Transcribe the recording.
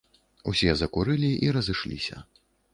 Усе закурылі і разышліся.